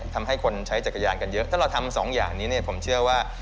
ทำให้คนใช้จักรยานกันเยอะถ้าเราทำสองอย่างนี้เนี่ยผมเชื่อว่า